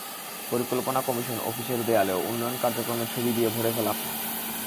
পরিকল্পনা কমিশন অফিসের দেয়ালেও উন্নয়ন কার্যক্রমের ছবি দিয়ে ভরে ফেলা হয়েছে।